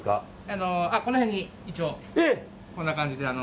この辺に、こんな感じで。